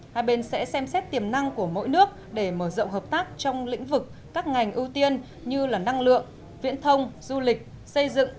hai bên sẽ xem xét tiềm năng của mỗi nước để mở rộng hợp tác trong lĩnh vực các ngành ưu tiên như năng lượng viễn thông du lịch xây dựng